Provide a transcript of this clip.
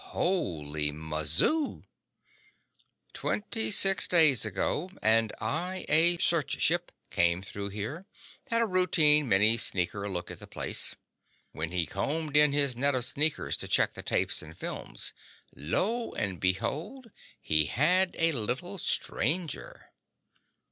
"Holy mazoo!" "Twenty six days ago an I A search ship came through here, had a routine mini sneaker look at the place. When he combed in his net of sneakers to check the tapes and films, lo and behold, he had a little stranger."